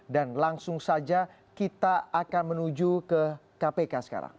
dan langsung saja kita akan menuju ke kpk sekarang